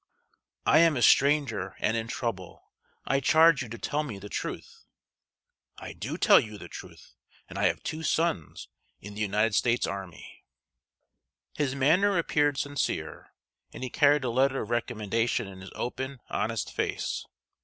"I am a stranger and in trouble. I charge you to tell me the truth." "I do tell you the truth, and I have two sons in the United States army." His manner appeared sincere, and he carried a letter of recommendation in his open, honest face.